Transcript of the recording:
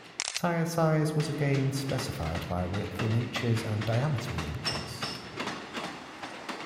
Tire size was again specified by width in inches and diameter in inches.